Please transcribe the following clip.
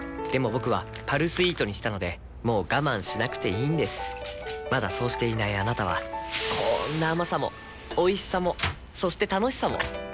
僕は「パルスイート」にしたのでもう我慢しなくていいんですまだそうしていないあなたはこんな甘さもおいしさもそして楽しさもあちっ。